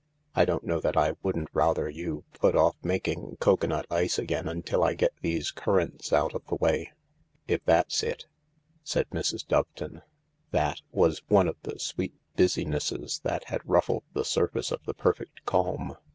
" I don't know that I wouldn't rather you put off making cocoanut ice again till I get these currants out of the way — if it's that," said Mrs. Doveton. "That " was one of the sweet busy nesses that had ruffled the surface of the perfect calm.